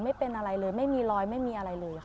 ไม่เป็นอะไรเลยไม่มีรอยไม่มีอะไรเลยค่ะ